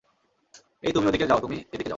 এই তুমি ওদিকে যাও তুমি এদিকে যাও।